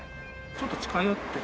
ちょっと近寄って。